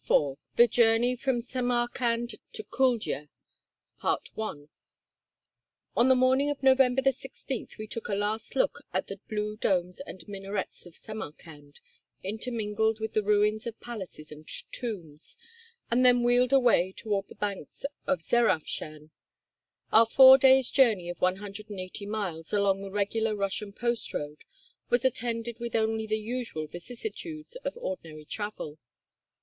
IV THE JOURNEY FROM SAMARKAND TO KULDJA On the morning of November 16 we took a last look at the blue domes and minarets of Samarkand, intermingled with the ruins of palaces and tombs, and then wheeled away toward the banks of the Zerafshan. Our four days' journey of 180 miles along the regular Russian post road was attended with only the usual vicissitudes of ordinary travel.